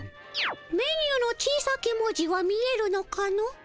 メニューの小さき文字は見えるのかの？